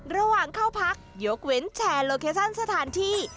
ระหว่างเข้าพักยกเว้นแชร์โลเคชั่นสถานที่